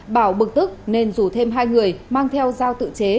bảo bực tức nên rủ thêm hai người mang theo giao tự chế